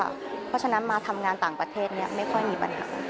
เพราะฉะนั้นมาทำงานต่างประเทศนี้ไม่ค่อยมีปัญหา